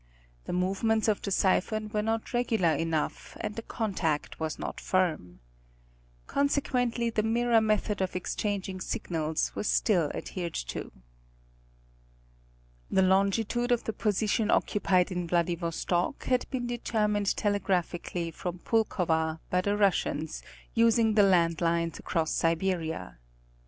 The movements of the siphon were not regular enough, and the contact was not firm. Consequently the mirror method of exchanging signals was still adhered to. The longitude of the position occupied in Vladivostok, had been determined telegraphically from Pulkova, by the Russians, using the land lines across Siberia.